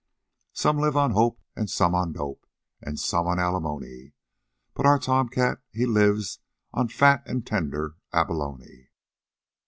"Some live on hope and some on dope And some on alimony. But our tom cat, he lives on fat And tender abalone."